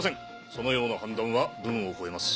そのような判断は分を越えます。